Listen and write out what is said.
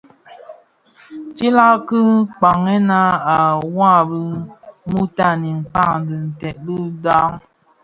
Tiilag ki kpaghèna wa bi mutanin kpäg dhi ntèd di dhaa.